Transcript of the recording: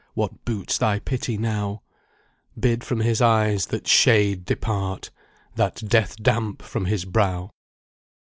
What boots thy pity now? Bid from his eyes that shade depart, That death damp from his brow!"